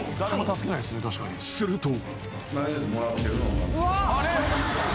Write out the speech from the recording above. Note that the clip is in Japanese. ［すると］